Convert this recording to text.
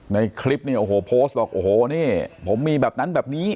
ในคลิปเนี่ยโอ้โหโพสต์บอกโอ้โหนี่ผมมีแบบนั้นแบบนี้